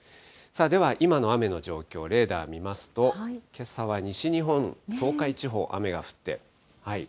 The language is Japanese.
では今の雨の状況、レーダー見ますと、けさは西日本、東海地方、雨が降って。